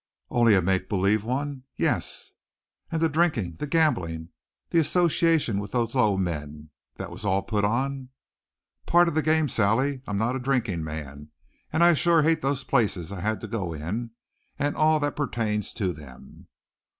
"Only a make believe one?" "Yes." "And the drinking, the gambling, the association with those low men that was all put on?" "Part of the game, Sally. I'm not a drinking man. And I sure hate those places I had to go in, and all that pertains to them."